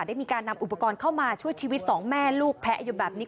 ได้มีการนำอุปกรณ์เข้ามาช่วยชีวิตสองแม่ลูกแพ้อายุแบบนี้